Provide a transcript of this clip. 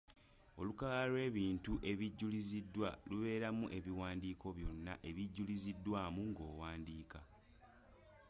Olukalala lw’ebintu ebijuliziddwa lubeeramu ebiwandiiko byonna ebijuliziddwamu ng’owandiika.